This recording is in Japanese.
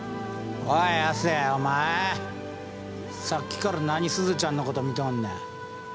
さっきから何すずちゃんのこと見とんねん。